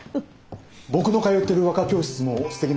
僕の通ってる和歌教室もすてきなところだよ。